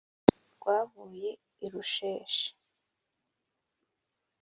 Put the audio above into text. Rwavuye i Rusheshe